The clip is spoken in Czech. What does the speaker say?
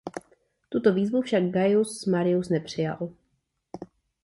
Tuto výzvu však Gaius Marius nepřijal.